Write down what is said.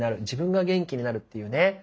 自分が元気になるっていうね。